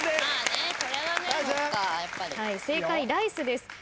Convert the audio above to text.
正解ライスです。